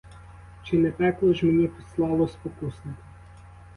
Чи не пекло ж мені послало спокусника?